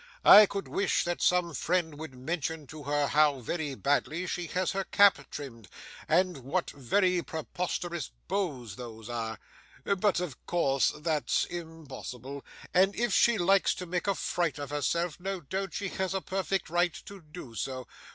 I could wish that some friend would mention to her how very badly she has her cap trimmed, and what very preposterous bows those are, but of course that's impossible, and if she likes to make a fright of herself, no doubt she has a perfect right to do so.